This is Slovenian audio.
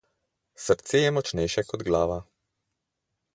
Srce je močnejše kot glava.